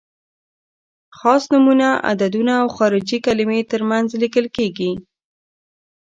خاص نومونه، عددونه او خارجي کلمې تر منځ لیکل کیږي.